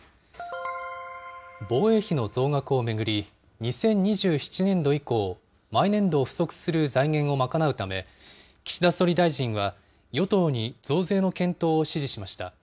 防衛費の増額を巡り、２０２７年度以降、毎年度不足する財源を賄うため、岸田総理大臣は、与党に増税の検討を指示しました。